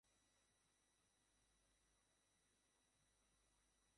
Hello, George Mike William.